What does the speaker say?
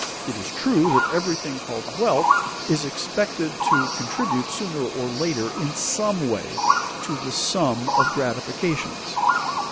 It is true that everything called wealth is expected to contribute sooner or later in some way to the sum of gratifications.